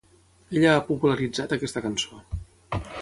Ella ha popularitzat aquesta cançó.